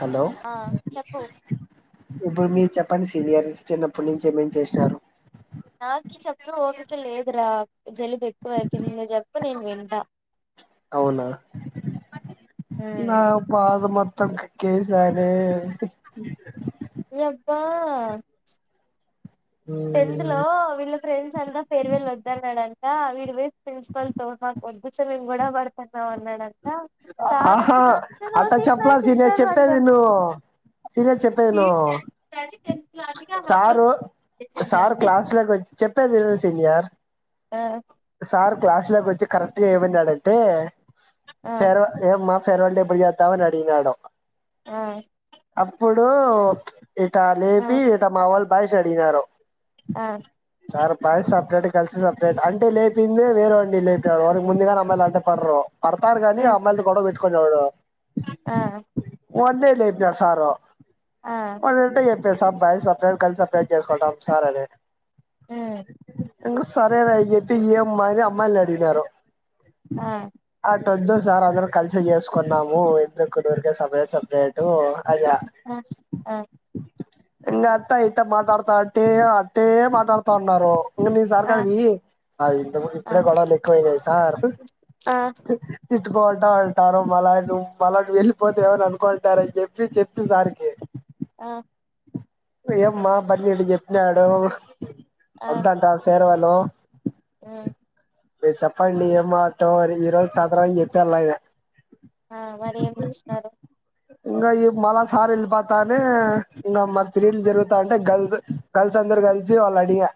Hello ఆ చెప్పు మీరు చెప్పండి చెప్పండి సీనియర్ చిన్నప్పటి నుంచి ఏమేం చేసినారు నాకు చెప్పు ఓకక లేదురా జలుబు ఎక్కువ అయిపోయింది నువ్వు చెప్పు నేను వింటా అవునా నా పాదము పక్కకు ఏసారే బ టెన్త్ లో వీళ్ళ ఫ్రెండ్స్ అంతా ఫేర్వెల్ వద్దన్నాడని వీడి లెసి ప్రిన్సిపల్ తో మాకు వద్దు మేము కూడా పడుతున్నాం అన్నాడు ఆహా అట్ట చెప్పలే రోసేసినాడు సిస్టర్ నీను సిస్టర్ అని చెప్పేది చెప్ నువ్వు సరియా చెప్పను సారు సార్ క్లాస్ లోకి చెప్పేది సీనియర్ ఆ సార్ క్లాస్ లోకి వచ్చి కరెక్ట్ గా ఏమన్నాడంటే ఆ ఆ ఫర్ ఏమ్మా ఫర్వల్ డే ఎప్పుడు చేద్దాం అన్నాడు ఆ సోను ఇట్టా లేచి బయలుదేరినారు ఆ సార్ బా సపరేట్ కలిసి సపరేట్ అంటే లేపిందే వేరే అండి లేపపో వారికి ముందుగానే నమ్మయి అంటే పడ్రరు పడతారు గాని ఆ అమ్మాయితో గొడవ పెట్టుకొని ఆ వన్ డేలు అయిపోనడు సారు ఆ బాయ్స్ సపరేట్ గర్ల్స్ సపరేట్ చేసుకోంటాం సార్ ఉ సరే అని చెప్పి ఈ అమ్మాయిలు ఆ అమ్మాయిలని అడిగినారు ఆ వద్దు సార్ అందరు కలిసి చేసుకున్నాము ఎందుకు సపరేట్ సపరేట్ అదా ఆ ఇంకా అట్ట ఇట్ట మాట్లాడుతా అట్టే అట్టే మాట్లాడుతా ఉన్నారు ఇంకా మీ సార్ ఆ కాడివి ఇంతకు ఆ ఇప్పుడే గొడవలు ఎక్కువయ్యాయి సార్ ఆ తిట్టుకుంటా ఉంటారు మళ్వ మళ్ళ వెళ్ళిపోతే ఏమని అనుకుంటారని చెప్పి చెప్తేసరికి ఆ ఏమ్మా పనేటి చెప్పినాడు వంతంటాడు సేర్వలు ఉ మీరు చెప్పండి ఏం మాటో ఈ రోజు సాధారంగా చెప్పారు ఆయన ఆ మరి ఏమి ఇష్టారు ఇంకా ఈ మళా సార్ వెళ్ళిపోతానే ఇంకా మన ఫిడ్ జరుగుతా అంటే గర్ల్స్ గర్ల్స్ అందరూ కలిసి అడిగా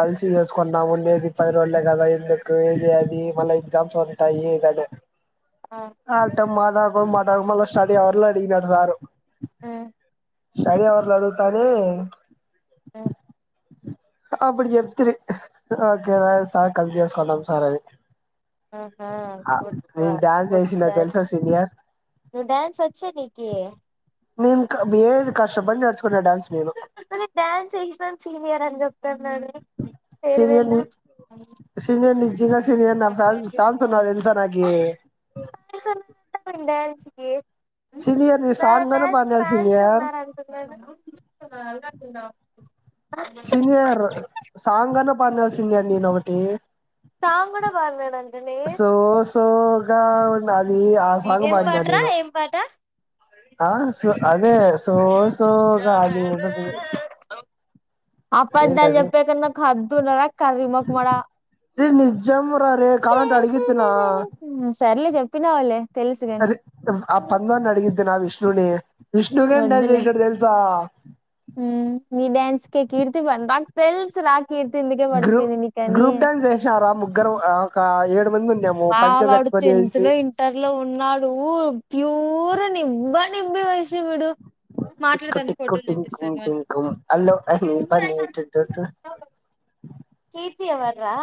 కలిసి చేసుకున్నాముండేది పది రోజులే కదా ఎందుకు ఏది అది మళ్ళీ ఎగ్జామ్స్ ఉంటాయి ఏదని ఆ ఆట మాటక మాటకు మళ్ళ స్టడ అర్లా అడిగిన సారు ఆ స్టడీ అలడుగుతాది మ్మ్ అప్పుడు చెప్తు ఓకేద సార్ కమితంటం సార్ అని ఆహా గుడ్ నేను డ్యాన్స్ చేసిన తెలుసా సీనియర్ ను డాన్స్ వచ్చ నికి నేన్ క వే కష్ట బడి నడ్చకుంట డాన్స్ నేను మ డ్యాన్స్ ఎ యని చెతా మే సీనియర్ పేరువళ ని [inaudible] సీనియర్ నిజంగా సీనియర్ నా ఫ్యాన్స్ ఫ్యాన్స్ ఉన్నారు తెలుసా నాకి ఉండసి [unintelligible] సీనియర్ నీ మ సాంగ్ అన్నా పాడిన ఫన్స్ సీనియర్ ఉన్నారుర అంట [unintelligible] అ [unintelligible] సనియ సాంగ్ అన్న పందాల సనియర్ నేను ఒకటి సాంగ్ కూడా పాడినాడు అంటనే సో సోగా న ఆసాంగ్ ఏం పడిన పాటరా నేను ఏం పాట ఆహ్ అదే అదే సో సోగా అది ఆపద్దాలు ఏందది చెప్పా కన్నా హద్దు ఉండాలా కర్రే మొఖామోద ర నిజమురా రే కాలంట అడిగతి నా సర్లే చెప్పినావులే తెలుసు గాని అరి ఆ పందాని అడిగది నా విష్ణుని విష్ణు కంట వద్దులే ఇష్టడ తెస కర్తి బన రా తెల్స్ రా కీర్తి ఇందుకే గ్రూ పడిపోయింది నీకని గ్రూప్ డ్యాన్స్ చేసినారా ముగ్గురు ఒక ఏడు మంది ఉన్నాము బా పంచె వాడుతూ కట్టుకొని వేసి ఎందులో ఇంటర్లో ఉన్నాడు ప్యూర్నివ్వ నింబి వయసిబడు టిక్కు మాట్లాడతాను టిక్కు ఫోటోలు టింకుం చూపిస్తాను అ టింకుం అల్లో అని ఊ పని టుటుటు కీర్తి ఎవర్రా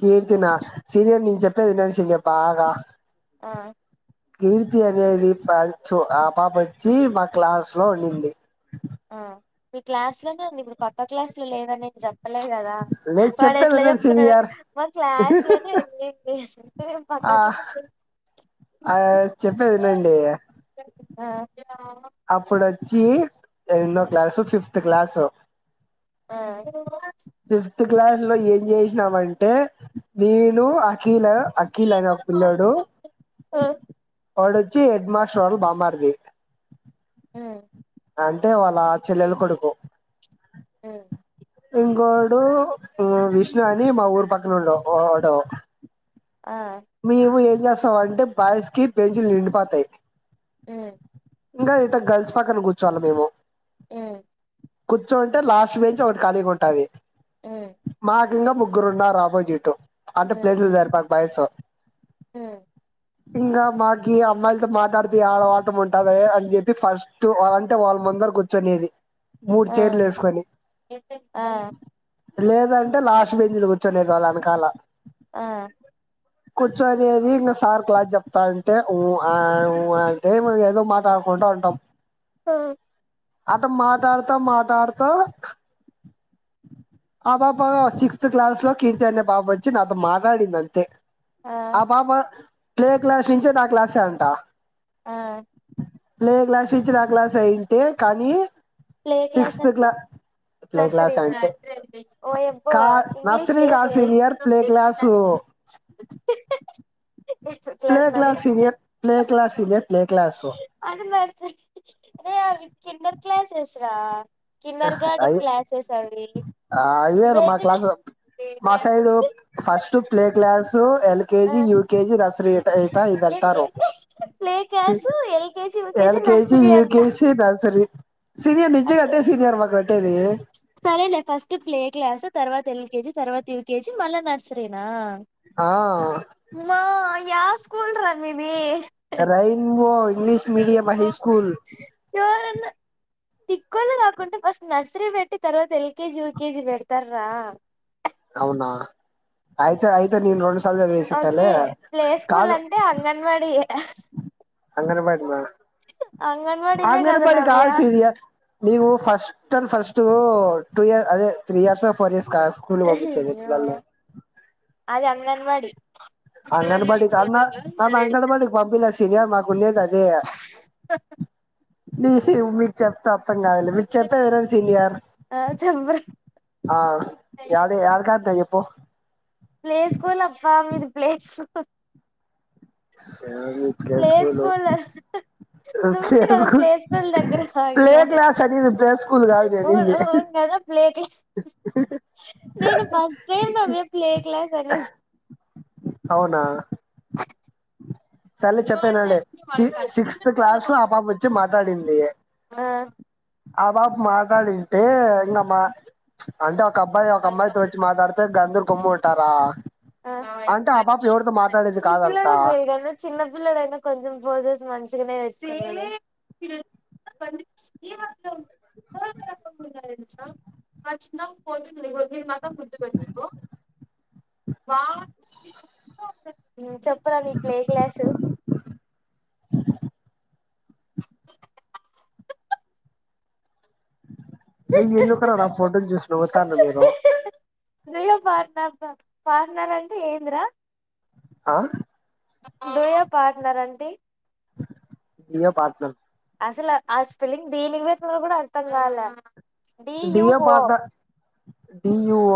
కీర్తినా సీనియర్ నను చెప్పేది విన్నసాల్డియా ఆగా ఉమ్ కీర్తి అనేది పచు ఆ పాప వచ్చి మా క్లాస్ లో ఉండింది ఉమ్ మీ క్లాస్ లోనే ఉంది ఇప్పుడు పక్క క్లాసు లో లేదని చెప్పలే కదా లేదు వాళ్ళు చెప్పేది ఎట్లా వినండి చెప్తున్నాడంటే సీనియర్ మా క్లాస్ లోనే ఎంది అంటే అ చెప్ [unintelligible] ఆహ్ చెప్పేది వినండి ఆ ఆ అప్పుడుచ్చి ఎన్నో క్లాసు ఫిఫ్త్ క్లాసు హమ్ ఫిఫ్త్ క్లాస్ లో ఏం చేసినామంటే నేను అఖిల అఖీల్ అనే ఒక పిల్లోడు వడోచ్చి హెడ్ మాస్టర్ వాళ్ల బామ్మర్ది ఉమ్ అంటే వాళ్ళ చెల్లెలు కొడుకు. హమ్ ఇంకోడు విష్ణు అని మా ఊరు పక్కన ఉండ వాడు. ఆ మేము ఏం చేస్తాం అంటే బాయ్స్ కి బెంచీలు నిండిపోతాయి. హమ్ ఇంకా ఇట గర్ల్స్ పక్కన కూర్చోవాలి మేము. ఉమ్ కూర్చోంటే లాస్ట్ బెంచు ఒకటి ఖాళీగా ఉంటది ఉమ్ మా ఇంకా ముగ్గురు ఉన్నరూ ఆపోజిట్ అంటే ఉమ్ ప్లేసులు జరిపాక బాయ్స్ ఉమ్ ఇంకా మాకి అమ్మాయిలతో మాట్లాడితే ఆడవాటం ఉంటద అని చెప్పి ఫస్ట్ అంటే వాళ్ళు మా ముందర కూర్చొనేది మూడు ఆ చైర్లు వేసుకొని లేదంటే లాస్ట్ బెంచిలో కూర్చొనిదు వాళ్ళ వెనకాల ఉమ్ కూర్చనేది ఇంకా సార్ క్లాస్ చెప్తాంటే అంట ఉహ్ ఆహ్ ఏదో మాట్లాడుకుంట ఉంటా ఉంటామ్ [unintelligible] ఆటమ్మా ఆట ఆడుతామ్మా ఆట ఆడుతా ఆ పాపా సిక్స్త్ క్లాస్ లో కీర్తి అనే పాపా వచ్చి నాతో మాట్లాడింది అంతే, ఆ పాప ప్లే క్లాస్ నుంచే నా క్లాస్ ఏ అంటా. ఆ ప్లే క్లాస్ నుంచి నా క్లాస్ అయింటే కానీ, ప్లే క్లాస్ సిక్స్త్ అంటే క్లా ప్లే క్లాస్ నర్సరీ అంటే ఓయబ్బో కా ఇంగ్లీషు నర్సరీ కా సీనియర్ ప్లే క్లాసు [inaudible] ప్లే లో అవి class senior play class senior play class. అరే అవి కిందటి క్లాస్సేస్ రా కిన్నర్ గార్డెన్ అయి క్లాసెస్ అవి. అయ్యారు మా క్లాసు మా సైడ్ ఫస్ట్ ప్లే క్లాసు ఆ ఎల్కెజి, యుకెజి, నర్సరీ. అయితా ఇదంటారు play class LKG UKG LKG, nursery అంట యూకేజీ, నర్స్ రీ సినియర్ నిజంగా అంటే గట్నే సీనియర్ పెట్టేది సరేలే ఫస్ట్ ప్లే క్లాస్ తర్వాత ఎల్ కేజీ తర్వాత యూకేజీ మళ్ళా నర్సరీనా. ఆ యే స్కూల్ రా మీది. రైభో ఇంగ్లిష్ మీడియమ్ హై స్కూల్. [inaudible] తీకోలు కాకుంటే ఫస్ట్ నర్సరీ పెట్టి తర్వాత ఎల్కేజీ, యూకేజీ పెడతార రా. అవునా ఆయితే ఆయితే నేను రో [unintelligible] తల్లే ఓకే ప్లే స్కూల్ కాదు అంటే అంగన్వాడి అంగన్వాడీ మా అంగన్వాడినే అంగన్ కదా బడి నవ్య కాదు సినియర్ నీవు ఫస్ట్ అండ్ ఫస్ట్ టూ ఇ అదే త్రీ ఇయర్సొ ఫోర్ ఇయర్స్ సో ఆ స్కూల్ పంపించేది అయ్యో పిల్లని అది అంగన్వాడి అంగన్ బడికి కాదు [unintelligible] అంగన్ బడికి పంపియలే సీనియర్ మాకు ఉండేది అదే [unintelligible] ని మీకు చెప్తే అర్థం కాదులే మీకు చెప్పేది వినండి సీనియర్ ఆ చెప్పురా ఆ ఎడ యాడికి ఆపిన చెప్పు ప్లే స్కూల్ అబ్బా మీది ప్లే స్కూల్ ప్లై స్కూల్ నువ్వే కదా ప్లే స్కూల్ దగ్గర ప్లే ఆగినావు క్లాస్ అనేది ప్లే స్కూల్ కాదు నేను అనింది [unintelligible] ప్లే క్లా నేను ఫస్ట్ టైమ్ నవ్వ ప్లే క్లాస్ అని అవునా సరే లే చెప్పేదివినండి సి సిక్స్త్ క్లాస్ ఆ పాప వచ్చి మాట్లాడింది ఆ ఆ పాపా మాట్లాడింది ఇంకా మా అంటే ఒక అబ్బాయి ఒక అమ్మాయితో వచ్చి మాట్లాడుతే గంధుర్ గొమ్ము ఉంటారా ఆ అంటే ఆ పాప ఎవరితో మాట్ల ఈ పిల్లడ బయన్న చిన్న పిల్లడైయినా కొంచెం పోసెస్ మంచి [unintelligible] నాకు తెలుసా ఆ చిన్నపుడు [unintelligible] మాత్రం గుర్తు పెట్టుకుంటావు వావ్ [unintelligible] చెప్పురా ప్లే క్లాస్ ఆరే ఎందుకురా నా ఫోటోలు చూసి నవ్వుతారు మీరు రియా పార్ట్నర్ అబ్బ పార్ట్నర్ అంటే ఏందిరా ఆ దయా పార్ట్నర్ అంటే దయా పార్ట్నర్ అసలు ఆ స్పెల్లింగ్ దీనింగ్ పెట్తు కూడా అర్థం కావాల దీయో పాత దయూవ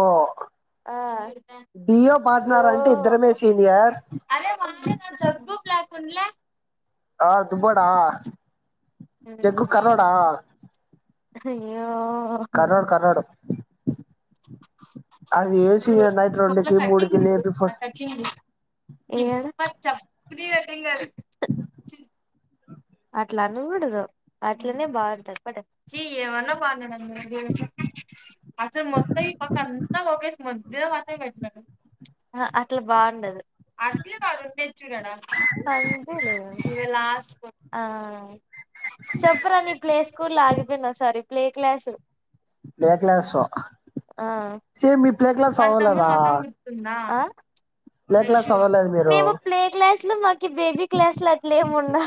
అంటే ఇద్దరమే సీనియర్ అరే జగగు్లా కులే ఆ దుబడ జగ్కు కరోడా అ్య కర్రోడ్డు కర్రోడ్డు అది ఏ ఇదిగో చేయలే నైట్ ఈ ఫోటోలో రెంకి మూడుకి లే బిఫోర్ ఏ చప్పడి రట్టే అట్లా అనికూడదు అట్లనే బాగుంటంది బ బా అసలు మత్త ఈ పక్క ఎంత ఒక ఒకే ముగాడు అట్లా బాగుండదు అట్ కాడు చూ సస్ట్ ఆ చెప్పరా మీ ప్లే స్కూల్ ఆగిపోయినా sorry play class play class ఆ సేమ్ ఈ ప్లే క్లాస్ వాళ్ళ తమ్ముడు అవలేదా మొఖం గుర్తుందా మీరు మేము ప్లే క్లాసులు మాకి బేబీ క్లాసులు అట్లా ఏమున్నా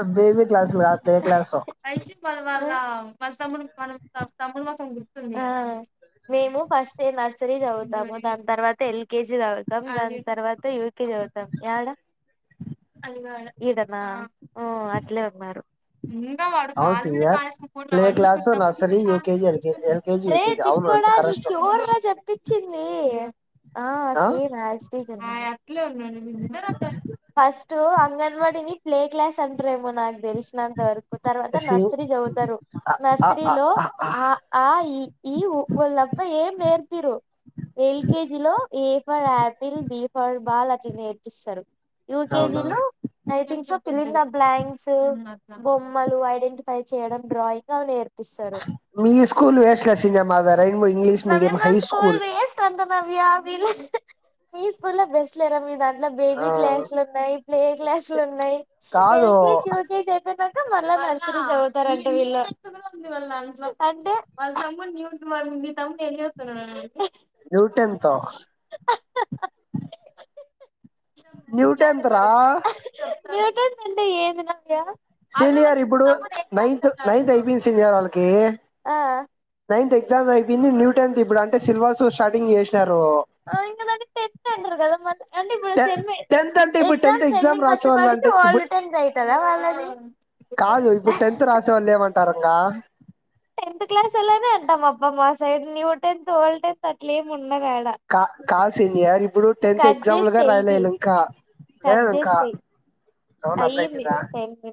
అ బేవి క్లాస్ తే క్లాసో మన తమ్ముడు మనం తమ్ముడు మొత్తం గుర్తుంది మేము ఫస్ట్ నర్సరీ చదువుతాము దాని తర్వాత ఎల్కేజీ చదువుతాము దాని తర్వాత యూకే చదువుతాం ఎడా ఈడనాఓ అట్లే ఉన్నారు ఇం వాడు అవును కాాల మీద సీనియర్ కాలుస ప్లే కూనవన్నీ క్లాసు ఉన్నవన్నీ నర్సరీ చ యూకేజీ ఎల్కే ఎల్కేజీ రే యూకేజీ అవును తక్కువ అంత కరెస్ట్ నీక ఎరునా చెప్పించింది ఆ సేనాస్ ఫస్ట్ అంగన్మాని ప్లే క్లాస్ అంట్రే మునగ తెలిసినంత వరకు తర్వాత సి నర్సరీ చదువుతారు నర్సరీలో ఆ ఆ ఈ ఈఊ తప్ప ఏం నేర్ రు ఎల్కేజీ లో ఏ ఫర్ పిల్ బి ఫర్ బాల్ అని నేర్పిస్తారు యూకెజి అవునా ను ఐంగ్స్ పిలింద బ్లాంక్స్ బొమ్మలు ఐడెంటిఫై చేయడం డ్రాయింగ్ అ నేర్ మీ స్కూల్ వేస్ల సీనియర్ మాది రైంగ్ో ఇంగ్లీష్ మీడియం హై స్కూల్ వ వ మీ స్కూల్ లో బెస్ట్ లేద మీ దాంట్లో బేబీ ఆ క్లేస్లు ఉన్నాయి ప్లే క్లాసులు ఉన్నాయి కాదు ఎల్కేజి యూకేజి ఐతే నాకు మళ్ళా నర్సరీస్ చదువుతారంటే వీళ్ళు అంటే వాళ్ళమ్ సమ్ ఎం వస్తున్నా న్యూటెన్త్ న్యూటన్ంత రా న్యూటన్ అంటే ఏదినావ్యా సీనియర్ ఇప్పుడు నైన్త్ నైన్త్ అడుగు ఐపింది సీనియర్ వాళ్ళకి ఆ నైన్త్ ఎగ్జామ్ అయిపోయింది న్యూ టెన్త్ ఇప్పుడు అంటే సిలబస్ స్టార్టింగ్ చేసినారు ఇంక దానికి టెన్త్ అంటారు కదా మ అంటే ఇప్పుడు చెమ్మ టెన్త్ అంటే ఇప్పుడు టెన్త్ ఎగ్జామ్స్ ఎగ్జామ్ ఎండింగ్ రాసే వాళ్ళు వచ్చేప్పటికి అంటే ఆల్ ఇప్పుడు రిటైమ్స్ అవుతుందా వాళ్ళని కాదు ఇప్పుడు టెన్త్ రాశా అళ్మంట టెన్త్ క్లాస్ వాళ్ళు అనే అంటం అబ్ మా సైడ్ ని ఉట ఎంతోల్టెంత అట్లాలేం ఉంట కా కాదు సీనియర్ ఇప్పుడు టెన్త్ ఎగ్జామ్ లుగా రాయలేలు ఇంకా లేదు ఇంకా హర్జశీ అవును అయ అప్పుడైతుందా